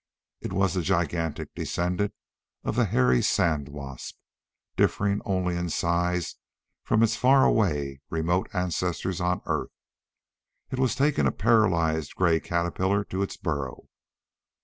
It was the gigantic descendant of the hairy sand wasp, differing only in size from its far away, remote ancestors on Earth. It was taking a paralyzed gray caterpillar to its burrow.